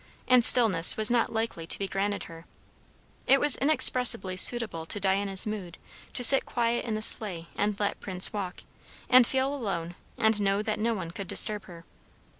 And stillness was not likely to be granted her. It was inexpressibly suitable to Diana's mood to sit quiet in the sleigh and let Prince walk, and feel alone, and know that no one could disturb her.